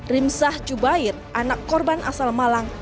rimsah jubair anak korban asal malang